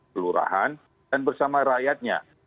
kelurahan dan bersama rakyatnya